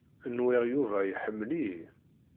Nwiɣ Yuba iḥemmel-iyi.